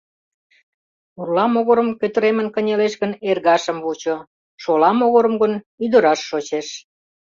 Пурла могырым кӧтыремын кынелеш гын — эргашым вучо, шола могырым гын — ӱдыраш шочеш.